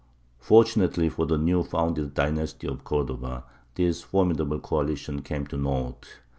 Fortunately for the newly founded dynasty of Cordova, this formidable coalition came to naught.